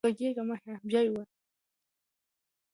مور د ماشوم د خوب ارام ساتي.